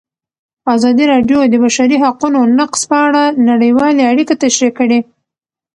ازادي راډیو د د بشري حقونو نقض په اړه نړیوالې اړیکې تشریح کړي.